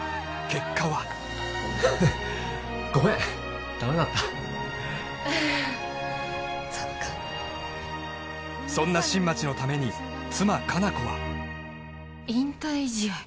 結果はごめんダメだったそっかそんな新町のために妻・果奈子は引退試合？